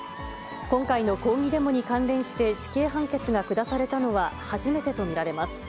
今回の抗議デモに関連して死刑判決が下されたのは、初めてと見られます。